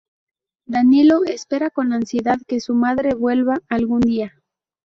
Danilo espera con ansiedad que su madre vuelva algún día.